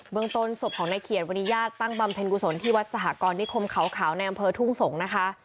เมืองต้นศพของนายเขียดวันนี้ญาติตั้งบำเพ็ญกุศลที่วัดสหกรนิคมเขาขาวในอำเภอทุ่งสงศ์นะคะ